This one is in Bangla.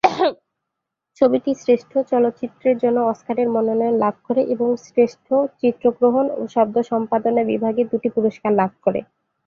ছবিটি শ্রেষ্ঠ চলচ্চিত্রের জন্য অস্কারের মনোনয়ন লাভ করে এবং শ্রেষ্ঠ চিত্রগ্রহণ ও শব্দ সম্পাদনা বিভাগে দুটি পুরস্কার লাভ করে।